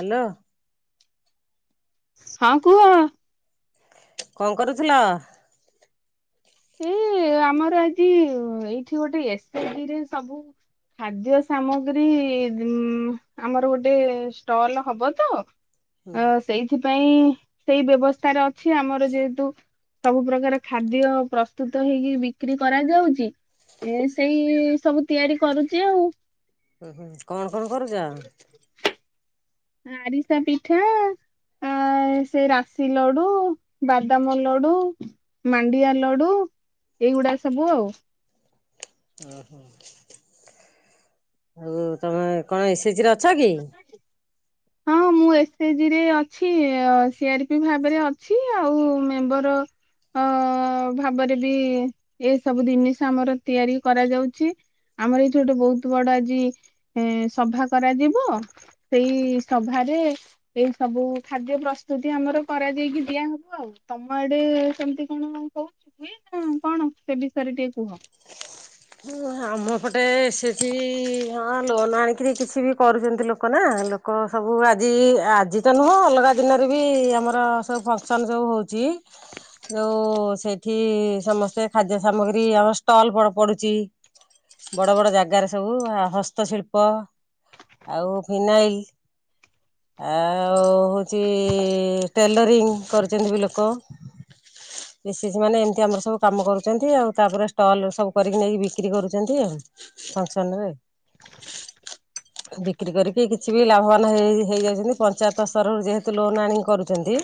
Hello. ହଁ କୁହ? କଣ କରୁଥିଲ? ଏ ଆମର ଆଜି ଏଇଠି ଗୋଟେ ଏସେଜି ରେ ସବୁ ଖାଦ୍ୟ ସାମଗ୍ରୀ ଦିନ ଆମର ଗୋଟେ ଷ୍ଟଲ୍ ହବ ତ। ହୁଁ। ଅ, ସେଇଥିପାଇଁ ସେଇ ବ୍ୟବସ୍ଥା ରେ ଅଛି ଆମର ଯେହେତୁ ସବୁ ପ୍ରକାର ଖାଦ୍ୟ ପ୍ରସ୍ତୁତ ହେଇକି ବିକ୍ରି କରାଯାଉଛି ଏ ସେଇ ସବୁ ତିଆରି କରୁଛି ଆଉ। ହୁଁ-ହୁଁ କଣ-କଣ କରୁଛ? ଆରିସା ପିଠା। ଆଁ ସେ ରାଶି ଲଡୁ ବାଦାମ୍ ଲଡୁ। ମାଣ୍ଡିଆ ଲଡୁ ଏଇଗୁଡା ସବୁ ଆଉ। ଓହୋ ଆଉ ତମେ କଣ ଏସେଜି ରେ ଅଛ କି? ହଁ [inaudible] ମୁଁ ଏସେଜି ରେ ଅଛି ସିଆରପି ଭାବରେ ଅଛି, ଆଉ ମେମ୍ବର ହଁ ଭାବରେ ବି ଏସବୁ ଜିନିଷ ଆମର ତିଆରି କରାଯାଉଛି। ଆମର ଏଇଠି ଗୋଟେ ବହୁତ ବଡ଼ ଆଜି ଏ ସଭା କରାଯିବ। ସେଇ ସଭାରେ ଏଇ ସବୁ ଖାଦ୍ୟ ପ୍ରସ୍ତୁତି ଆମର କରାଯାଇକି ଦିଆହବ ଆଉ! ତମ ଆଡେ ସେମତି କଣ ହଉଛି? ହୁଏ ନାଁ କଣ ସେ ବିଷୟରେ ଟିକେ କୁହ? [unintelligible] ଆମ ପଟେ ଏସେଜି ହଁ ଲୋନ୍ ଆଣିକିରି କିଛି ବି କରୁଛନ୍ତି ଲୋକ ନା। ହଁ ସବୁ ଆଜି ଆଜି ତ ନୁହଁ ଅଲଗା ଦିନରେ ବି ଆମର ସବୁ ଫଙ୍କସନ୍ ସବୁ ହଉଛି। ଯୋଉ ସେଇଠି ସମସ୍ତେ ଖାଦ୍ୟ ସାମଗ୍ରୀ ଆମ ଷ୍ଟଲ୍ ଫଲ ପଡୁଛି। ବଡ ବଡ ଜାଗାରେ ସବୁ ହସ୍ତଶିଳ୍ପ ଆଉ ଫିନାାଇଲ ଆଉ ହେଉଛି ଟେଲରିଙ୍ଗି କରିଛନ୍ତି ବି ଲୋକ ମିଶିକି ମାନେ ଏମିତି ଆମର ସବୁ କାମ କରୁଛନ୍ତି ଆଉ ତାପରେ ଷ୍ଟଲ ସବୁ କରିକି ନେଇକି ବି ବିକ୍ରି କରୁଛନ୍ତି ଆଉ ଫଙ୍କସନ ରେ। ବିକ୍ରି କରିକି କିଛି ବି ଲାଭବାନ ହେଇ ହେଇଯାଉଛନ୍ତି ପଞ୍ଚାୟତ ସ୍ତରରୁ ଯେହେତୁ ଲୋନ ଆଣିକି କରୁଛନ୍ତି।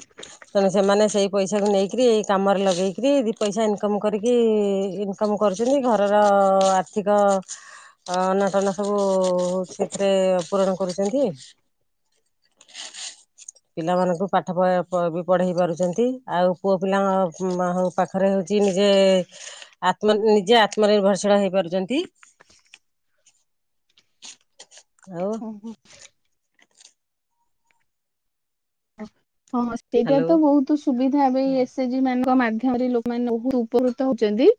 ତେଣୁ ସେମାନେ ସେଇ ପଇସାକୁ ନେଇକରି ଏଇ କାମରେ ଲଗେଇକରି ଦିଇ ପଇସା ଇନକମ୍ କରିକି କାମ କରୁଛନ୍ତି ଘରର ଆର୍ଥିକ ଅ ଅନାଟନା ସବୁ ସେଥିରେ ପୂରଣ କରୁଛନ୍ତି। [inaudible] ପିଲାମାନଙ୍କୁ ପାଠ ପ ପ ବି ପଢେଇ ପାରୁଛନ୍ତି ଆଉ ପୁଅ ପିଲା ହ ହ ପାଖରେ ହଉଛି ନିଜେ ଆତ୍ମ ନିଜେ ଆ ଆତ୍ମ ନିରଭରଶିଳ ହେଇପାରୁଛନ୍ତି ଆଉ ହୁଁ ହୁଁ। ହଁ ସେଇଟା ହ୍ୟାଲୋ ତ ବହୁତ ସୁବିଧା ଏବେ ସେ ଜ ମାନଙ୍କ ମାଧ୍ୟମରେ ଲୋକମାନେ [unintelligible] ଉପକୃତ ହଉଛନ୍ତି।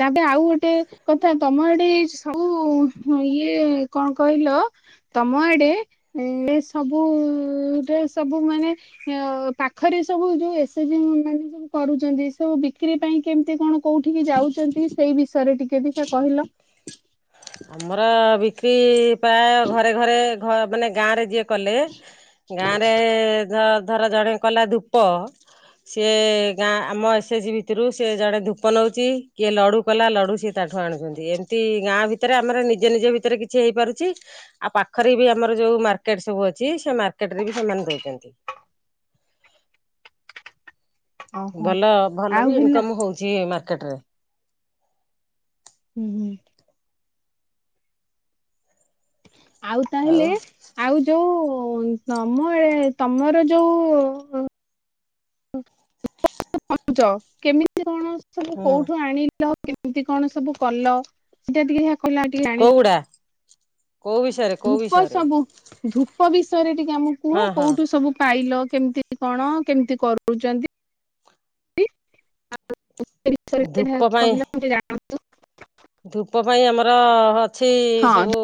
ତାପ ରେ ଆଉ ଗୋଟେ କଥା ତମ ଆଡ଼େ ସବୁ ଇଏ କଣ କହିଲ? ତମ ଆଡେ ଏ ସବୁରେ ସବୁ ମାନେ ପାଖରେ ସବୁ ଯୋଉ ଏସ ସି ଯି ମାନେ ସବୁ କରୁଛନ୍ତି। ସବୁ ବିକ୍ରି ପାଇଁ କେମିତି କଣ? କୋଉଠିକି ଯାଉଛନ୍ତି ସେଇ ବିଷୟରେ ଟିକେ ଦେଖିଆ କହିଲ। ଆମର ବିକ୍ରି ପ୍ରାୟ ଘରେ ଘରେ ଘ ମାନେ ଗାଁ ରେ ଯିଏ କଲେ ଗାଁରେ ଧର ଜଣେ କଲା ଧୂପ ସିଏ ଗାଁ ଆମ ଏସ୍ ଏଚ ଜି ଭିତରୁ ସେ ଜଣେ ଧୂପ ନଉଛି କିଏ ଲଡୁ କଲା ଲଡ଼ୁ ସେ ତାଠୁ ଆଣୁଛନ୍ତି ଏମିତି ଗାଁ ଭିତରେ ଆମର ନିଜ ନିଜ ଭିତରେ କିଛି ହେଇପାରୁଛି। ଆଉ ପାଖରେ ବି ଆମର ଯୋଉ ମାର୍କେଟ ସବୁ ଅଛି ସେ ମାର୍କେଟ ରେ ବି ସେମାନେ ଦଉଛନ୍ତି। ଓହୋ ଭଲ ଭଲ ଆଉ ବି ହେଲା ଇନକମ ହଉଛି ମାର୍କେଟ ରେ। ହୁଁ ହୁଁ। ଆଉ ତାହେଲେ ଆଉ ଯୋଉ ତମଏ ତମର ଯୋଉ [unintelligible] କେମିତି କଣ ସବୁ ହୁଁ କୋଉଠୁ ଆଣି [unintelligible] କେମିତି କଣ ସବୁ କଲ ସେଟା ଟିକେ କହିଲା ଆଗେ। ଆଣ କୋଉଗୁଡା କୋଉ ବିଷୟରେ କୋଉ ଧୂପ ବିଷୟରେ ସବୁ। ଧୂପ ବିଷୟରେ ଟିକେ ଆମକୁ ହଁ କୁହ ହଁ କୋଉଠୁ ସବୁ ପାଇଲ କେମିତି କଣ କେମିତି କରୁଛନ୍ତି? ଧୂପ ପାଇଁ [unintelligible] ଧୂପ ପାଇଁ ଆମର ଅଛି ହଁ ସବୁ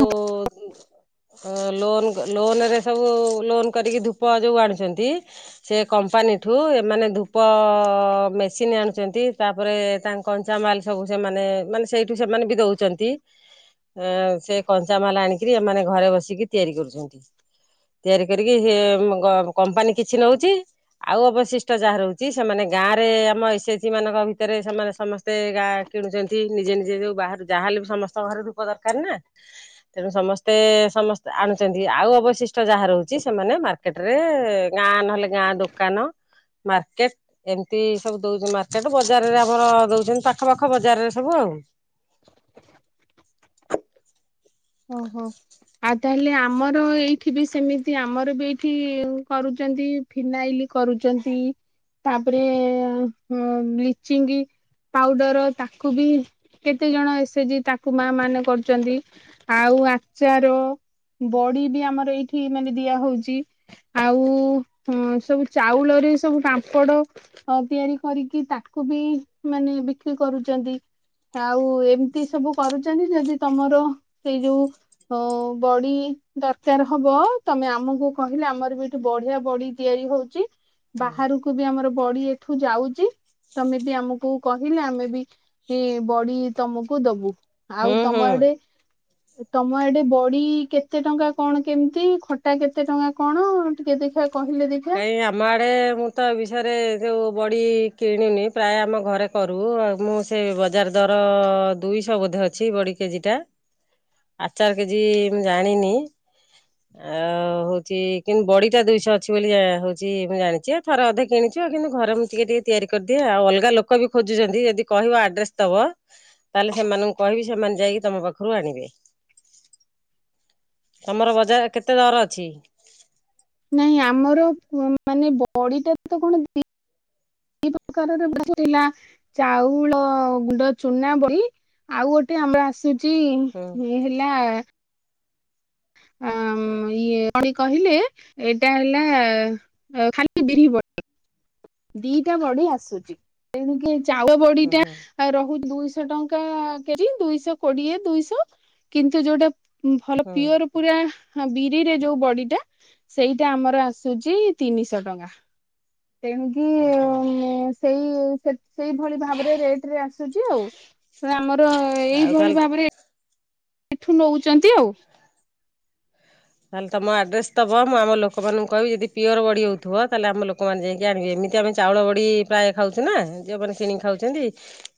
ଲୋନ୍ ଲୋନରେ ସବୁ ଲୋନ୍ କରିକି ଧୂପ ଯୋଉ ଆଣୁଛନ୍ତି। ସେ କମ୍ପାନୀଠୁ ଏମାନେ ଧୂପ ମେସିନ୍ ଆଣୁଛନ୍ତି ତାପରେ ତାଙ୍କ କଞ୍ଚାାମାଲ ସବୁ ସେ ମାନେ ମାନେ ସେଇ ଠୁ ସେମାନେ ବି ଦଉଛନ୍ତି ସେ କଞ୍ଚାମାଲ ଆଣିକି ଏମାନେ ଘରେ ବସିକି ତିଆରି କରୁଛନ୍ତି। ତିଆରି କରିକି ହେ କମ୍ପାନୀ କିଛି ନଉଛି। ଆଉ ଅବଶିଷ୍ଟ ଯାହା ରହୁଛି ସେମାନେ ଗାଁ ରେ ଆମ ଏସ୍ ଏଚ ଜି ମାନଙ୍କ ଭିତରେ ସେମାନେ ସମସ୍ତେ ତେ ଗାଁ କିଣୁଛନ୍ତି ନିଜେ ନିଜେ ଯୋଉ ବାହାରୁ ଯାହା ହେଲେ ବି ସମସ୍ତଙ୍କ ଘରେ ଧୂପ ଦରକାର ନା। ତେଣୁ ସମସ୍ତେ ସମସ୍ତେ ଆଣୁଛନ୍ତି ଆଉ ଅବଶିଷ୍ଟ ଯାହା ରହୁଛି ସେମାନେ ମାର୍ ର୍କେଟ ରେ ଗାଁ ନହେଲେ ଗାଁ ଦୋକାନ ମାର୍କେଟ ଏମିତି ସବୁ ଦଉଛନ୍ତି ମାର୍କେଟ ବଜାରରେ ଆମର ଦଉଛନ୍ତି ପାଖ ପାାଖ ବଜାରରେ ସବୁ ଆଉ। ଓହୋ। ଆଉ ତାହେଲେ ଆମର ଏଇଠି ବି ସେମିତି ଆମର ବି ଏଇଠି କରୁଛନ୍ତି। ଫିନାଇଲ କରୁଛନ୍ତି ତାପରେ ବ୍ଲିଚିଙ୍ଗ। ପାଉଡର ତାକୁ ବି କେତେ ଜଣ ଏସେଜି ତାକୁ ମା ମାନେ କରୁଛନ୍ତି ଆଉ ଆଚାର ବଡି ବି ଆମର ଏଇଠି ମାନେ ଦିଆ ହଉଛି। ଆଉ ହ ସବୁ ଚାଉଳରେ ସବୁ ପାମ୍ପଡ। ଅ ତିଆରି କରିକି ତାକୁ ବି ମାନେ ବିକ୍ରି କରୁଛନ୍ତି। ଆଉ ଏମିତି ସବୁ କରୁଛନ୍ତି ଯଦି ତମର ସେଇ ଯୋଉ। ହ ବଡି ଦରକାର ହବ ତମେ ଆମକୁ କହିଲେ ଆମର ବି ଏଠି ବଢିଆ ବଡି ତିଆରି ହଉଛି [unintelligible] ବାହାରକୁ ବି ଆମର ବଡି ଏଠୁ ଯାଉଛି। ତମେ ବି ଆମକୁ କହିଲେ ଆମେ ବି ଏ ବଡି ତମକୁ ଦବୁ। ହୁଁ ଆଉ ତମ ହୁଁ। ଆଡେ? ତମ ଆଡେ ବଡି କେତେ ଟଙ୍କା କଣ କେମିତି ଖଟା କେତେ ଟଙ୍କା କଣ? ଟିକେ ଦେଖିବା କିହିଲେ ଦେଖି? କାଇଁ ଆମ ଆଡେ ମୁଁ ତ ଏ ବିଷୟରେ ଯୋଉ ବଡି କିଣୁନି ପ୍ରାୟ ଆମ ଘରେ କରୁ ଆଉ ମୁଁ ସେ ବଜାର ଦର ଦୁଇଶହ ବୋଧେ ଅଛି ବଡି କେଜି ଟା। ଆଚାର କେଜି ମୁଁ ଜାଣିନି। ଆଉ ହଉଛି କିନ୍ତୁ ବଡିଟା ଦୁଇଶହ ଅଛି ବୋଲି ହଉଛି ମୁଁ ଜାଣିଛି ଥରେ ଅଧେ କିଣିଛ ଆଉ କିନ୍ତୁ ଘରେ ମୁଁ ଟିକେ ଟିକେ ତିଆରି କରିଦିଏ ଆଉ ଅଲଗା ଲୋକ ଲୋକ ବି ଖୋଜୁଛନ୍ତି ଯଦି କହିବ ଆଡ୍ରେସ ଦବ? ତାହେଲେ ସେମାନଙ୍କୁ କହିବି ସେମାନେ ଯାଇକି ତମ ପାଖରୁ ଆଣିବେ। ତୁମର ବଜାର କେତେ ଦର ଅଛି? ନାଇଁ ଆମର ମାନେ ବଡିଟା ତ କଣ ଏ ପ୍ରକାରର ଥିଲା [unintelligible] ଚାଉଳ ଗୁଣ୍ଡ ଚୁନା ବଡ଼ି ଆଉ ଗୋଟେ ଆମର ଆସୁ ଛି ହୁଁ ଇଏ ହେଲା ଆ ଇଏ କହିଲେ ଏଇଟା ହେଲା ଖାଲି ବିରି ବ ଦିଟା ବଡି ଆସୁଛି ତଣୁ କି ଚାଉଳ ହୁଁ ବଡିଟା ହୁଁ ଆ ରହୁଛି ଦୁଇଶହ ଟଙ୍କା କେ ଜି ଦୁଇଶହ କୋଡିଏ ଦୁଇଶହ କିନ୍ତୁ ଯୋଉଟା ଭଲ ହୁଁ ପିଓର ପୁରା ବିରିରେ ଯୋଉ ବଡି ଟା ସେଇଟା ଆମର ଆସୁଛି ତିନିଶହ ଟଙ୍କା। ତେଣୁ କି? ଓହୋ ସେଇ ସେଇଭଳି ଭାବରେ ରେଟ ରେ ଆସୁଛି ଆଉ ଆମର ଆଉ ଏଇଭଳି ତାହେଲେ ଭାବରେ ଏଠୁ ନଉଛନ୍ତି ଆଉ। ତାହେଲେ ତମ ଆଡ୍ରେସ ଦବ ମୁଁ ଆମ ଲୋକମାନଙ୍କୁ କିହିବି ଯଦି ପିଓର ବଡି ହଉଥିବ ତାହେଲେ ଆମ ଲୋକମାନେଙ୍କୁ ଯାଇକି ଆଣିବେ ଏମିତି ଆମେ ଚାଉଳ ବଡ଼ି ପ୍ରାୟ ଖାଉଛୁ ନା ଯେଉଁମାନେ କିିଣିକି ଖାଉଛନ୍ତି।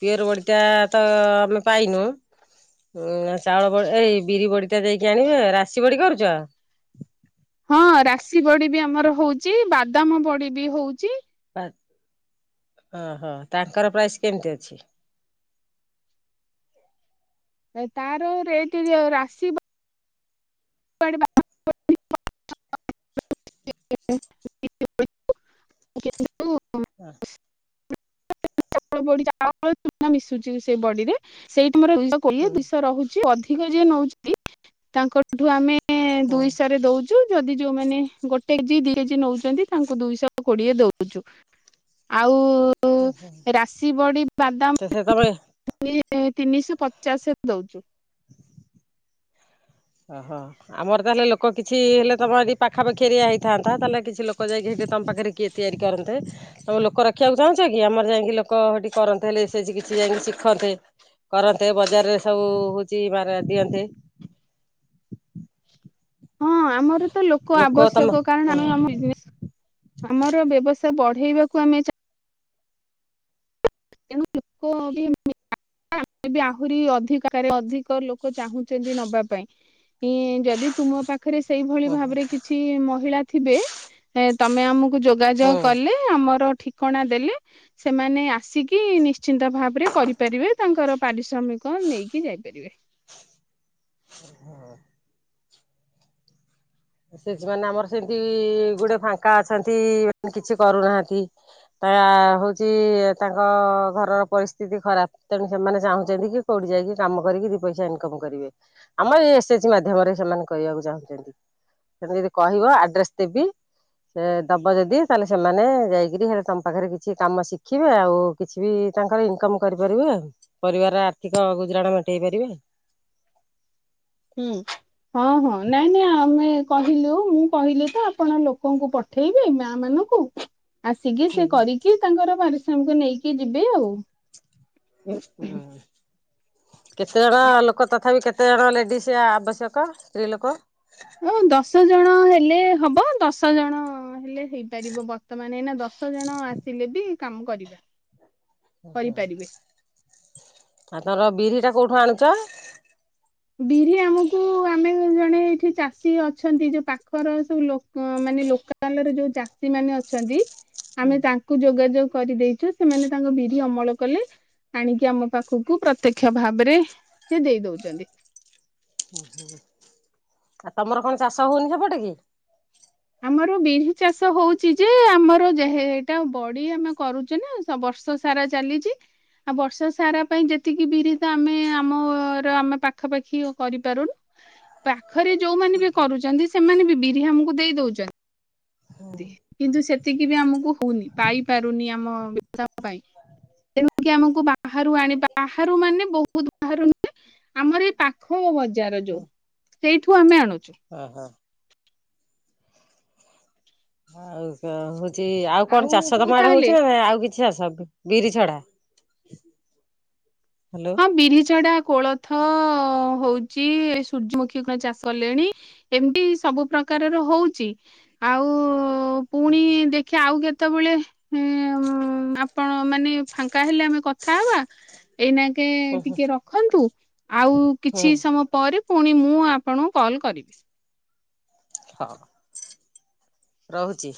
ପିଅର ବଡି ଟା ତ ଆମେ ପାଇନୁ। ଉଁ ଚାଉଳ ବ ଏଇ ବିରି ବଡି ଟା ଦେଇକି ଆଣିବେ ରାଶି ବଡି କରୁଛ? ହଁ ରାଶି ବଡି ବି ଆମର ହଉଛି ବାଦାମ ବଡି ବି ହଉଛି। ଓହୋ ତାଙ୍କର ପ୍ରାଇସ୍ କେମିତି ଅଛି? ତାର ରେଟ ଅ ରାଶି [unintelligible] [inaudible] ଆଁ ଚାଉଳ ବଡ଼ି ମିଶୁଛି ସେ ବଡିରେ ସେଇଠି ମୋର ଦୁଇଶହ କୋଡିଏ ହୁଁ ଦୁଇଶହ ରହୁଛି ଅଧିକ ଅଥିକ ଯିଏ ନଉଛିନ୍ତି ତାଙ୍କଠୁ ଆମେ ହୁଁ ଦୁଇସରେ ଦୋଉ ଯଦି ଯୋଉମାନେ ଗୋଟେଜି ଦି କେଜି ନଉଛନ୍ତି ତାଙ୍କୁ ଦୁଇଶହ କୋଡିଏ ଦଉଛୁ। ଆଉ ହୁଁ ହୁଁ ରାଶି ବଡି ବାଦାମ ବଡ଼ି ତିନିଶ ପଚାଶରେ ଦଉଛୁ। ଅ ହ। ଆମର ତାହେଲେ ଲୋକ କିଛି ହେଲେ ତମ ଯଦି ପାଖା ପାଖି ଏରିଆ ହେଇଥାନ୍ତା ତାହେଲେ କିଛି ଲୋକ ଯାଇକି ତମ ପାଖରେ କିଏ ତିଆରି କରନ୍ତେ? ତମେ ଲୋକ ରଖିବାକୁ ଚାହୁଁଛ କି ଆମର ଯାଇକି ଲୋକ କରନ୍ତେ ହେଲେ ସେଇଠି କିଛି ଯାଇକି ଶିଖନ୍ତେ। କରନ୍ତେ ବଜାରରେ ସବୁ ହଉଛି ଦିଅନ୍ତେ। ହଁ ଆମର ତ ଲୋକ ତମ ଆବଶ୍ୟକ କାରଣ ହଁ ଆମ ବିଜ୍ ଆମର ବ୍ୟବସାୟ ବଢ଼େଇବାକୁ ଆମେ ଚାହୁଁ। [unintelligible] ଆହୁରି ଅଧିକା ଅଧିକ ଲୋକ ଚାହୁଁଛନ୍ତି ନବା ପାଇଁ। ଯଦି ତୁମ ପା ଖରେ ସେଇଭଳି ହଁ ଭାବରେ କିଛି ମହିଳା ଥିବେ ତମେ ଆମକୁ ଯୋଗାଯୋଗ ହଁ କଲେ ଆମର ଠିକଣା ଦେଲେ ସେମାନେ ଆସିକି କି ନିଶ୍ଚିନ୍ତ ଭାବରେ କରିପାରିବେ ତାଙ୍କର ପାରିଶ୍ରମିକ ନେଇକି ଯାଇପାରିବେ। ହୁଁ ଶି ଆମର ସେମିତି ଗୋଡେ ଫାଙ୍କା ଅଛନ୍ତି ସେମାନେ କିଛି କରୁନାହାନ୍ତି। ତା ହେଉଛି ତାଙ୍କ ଘରର ପରିସ୍ଥିତି ଖରାପ ତେଣୁ ସେମାନେ ଚାହୁଁଛନ୍ତି କି କୋଉଠି ଯାଇକି କାମ କରିକି ଦି ପଇସା ଇନକମ୍ କରିବେ ଆମର ଏଇ ଏସେଜି ମାଧ୍ୟମରେ ସେମାନେ କରିବାକୁ ଚାହୁଁଛନ୍ତି। ତମେ ଯଦି କହିବ ଆଡ୍ରେସ୍ ଦେବି। ସେ ଦବ ଯଦି ତାହେଲେ ସେମାନେ ଯାଇକରି ହେଲେ ତମ ପାଖରେ କିଛି କାମ ଶିଖିବେ ଆଉ। କିଛି ବି ତାଙ୍କର ଇନକମ୍ କରିପାରିବେ ପରିବାରର ଆର୍ଥିକ ଗୁଜୁରାଣ ମେଣ୍ଟେଇ ପାରିବେ। ହୁଁ ହଁ ହଁ ନାଇଁ ନାଇଁ ଆମେ କହିଲୁ ମୁଁ କହିଲି ତ ଆପଣ ଲୋକଙ୍କୁ ପ ପଠେଇବି ମା ମାନଙ୍କୁ। ଆସିକି ହୁଁ ସେ କରିକି ତାଙ୍କର ପାରିଶ୍ରମିକ ନେଇକି ଯିବେ ଆଉ। ହୁଁ କେତେ ଜଣ ଲୋକ ତଥାପି କେ କେତେଜଣ ଲେଡ଼ିସ୍ ଆବଶ୍ୟକ ସ୍ତ୍ରୀ ଲୋକ? ଦଶ ଜଣ ହେଲେ ହେବ ଦଶ ଜଣ ହେଲେ। ହେଇପାରିବ ବର୍ତ୍ତମାନ ଏଇନା ଦଶ ଜଣ ଆସିଲେ ବି କାମ କରିବେ। ହୁଁ ତମର ବିରି ଟା କୋଉଠୁ ଆଣୁଛ? ବିରି ଆମକୁ ଆମେ ଜଣେ ଏଠି ଚାଷୀ ଅଛନ୍ତି ଯୋଉ ପାଖର ସବୁ ମାନେ ଲୋକ। ଲୋକାଲ ରେ ଯୋଉ ଚାଷୀ ମାନେ ଅଛନ୍ତି ଆମେ ତାଙ୍କ କୁ ଯୋଗାଯୋଗ କରିଦେଇଛୁ ସେମାନେ ତାଙ୍କ ବିରି ଅମଳ କଲେ। ଆଣିକି ଆମ ପାଖକୁ ପ୍ରତ୍ୟକ୍ଷ ଭାବରେ ସେ ଦେଇ ଦଉଛନ୍ତି। ତମର କଣ ଚାଷ ହଉନି ସେପଟେ କି? ଆମର ବିରି ଚାଷ ହଉଛି ଯେ ଆମର ଏଇଟା ବଡି ଆମେ କରୁଛୁ ନା ତ ବର୍ଷ ସାରା ଚାଲିଛି। ବର୍ଷା ସାରା ପାଇଁ ଯେତିକି ବିରି ତ ଆମେ ଆମର ଆମେ ପାଖାପାଖି କରିପାରୁନୁ। ପାଖରେ ଯୋଉମାନେ ବି କରୁଛନ୍ତି ସେମାନେ ବି ବିରି ଆମକୁ ଦେଇ ଦଉଛନ୍ତି। କିନ୍ତୁ ସେତିକି ବି ଆମକୁ ହଉନି ପାଇପାରୁନି ଆମ ପାଇଁ। ତେଣୁ କି ଆମକୁ ବାହାରୁ ଆଣି ବାହାରୁ ମାନେ ବହୁତ ବାହାରୁ ନୁହେଁ। ଆମର ଏଇ ପାଖ ବଜାର ଯୋଉ ସେଇଠୁ ଆମେ ଆଣୁଛୁ। ଓହୋ। ଆଉ କଣ ଚାଷ ହଉ ତମ ଆଡେ ତାହେଲେ ହଉଛି ନା ଆଉ କିଛି? [unintelligible] ବିରି ଛଡ଼ା ହ୍ୟାଲୋ। ହଁ ବିରି ଛଡ଼ା କୋଳଥ ହଉଚି ସୂର୍ଯ୍ୟମୁଖୀ କଣ ଚାଷ କଲେଣି। ଏମିତି ସବୁ ପ୍ରକାରର ହଉଛି ଆଉ ପୁଣି ଦେଖିବା ଆଉ କେତେ ଯେତେବେଳେ ଆପଣ ମାନେ ଫାଙ୍କା ହେଲେ ଆମେ କଥା ହେବା ଏଇନା ହୁଁ ହୁଁ ଟିକେ ରଖନ୍ତୁ ଆଉ ହୁଁ କିଛି ସମୟ ପରେ ପୁଣି ମୁଁ ଆପଣଙ୍କୁ କଲ୍ କରିବି। ହଉ। ରହୁଛି।